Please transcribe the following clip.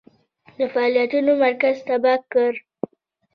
د فعالیتونو مرکز تباه کړ.